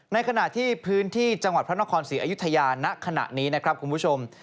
ในขณะที่พื้นที่จังหวัดพระนครศรีอยุธยาณขณะนี้นะครับคุณผู้ชม